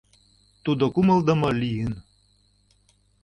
Тудо кумылдымо лийын: